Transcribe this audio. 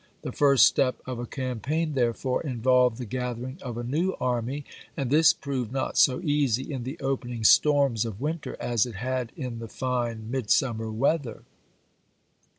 The first step of a campaign, there fore, involved the gathering of a new army, and this proved not so easy in the opening storms of winter as it had in the fine midsummer weather.